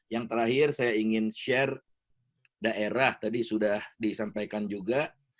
yang terakhir saya ingin share daerah tadi sudah disampaikan juga